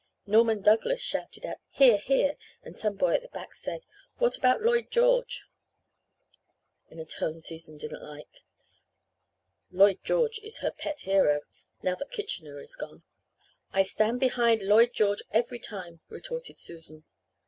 "Norman Douglas shouted out 'Hear! Hear!' and some boy at the back said, 'What about Lloyd George?' in a tone Susan didn't like. Lloyd George is her pet hero, now that Kitchener is gone. "'I stand behind Lloyd George every time,' retorted Susan.